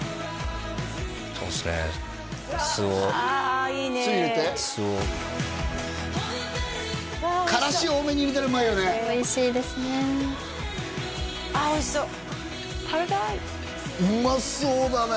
そうですねお酢を酢を酢入れてからし多めに入れたらうまいよねおいしいですねああおいしそう食べたいうまそうだね